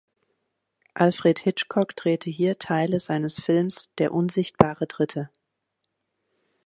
Alfred Hitchcock drehte hier Teile seines Films "Der unsichtbare Dritte".